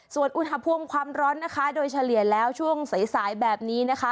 ส่วนอุณหภูมิความร้อนนะคะโดยเฉลี่ยแล้วช่วงสายสายแบบนี้นะคะ